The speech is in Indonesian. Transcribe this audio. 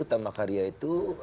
utama karya itu enam empat